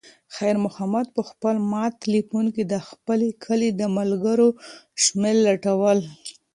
خیر محمد په خپل مات تلیفون کې د خپل کلي د ملګرو شمېرې لټولې.